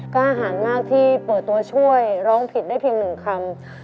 กล้าหารมากที่เปิดตัวช่วยร้องผิดได้เพียงหนึ่งคำ